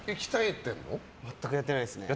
全くやってないですね。